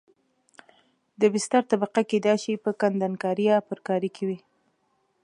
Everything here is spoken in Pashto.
د بستر طبقه کېدای شي په کندنکارۍ یا پرکارۍ کې وي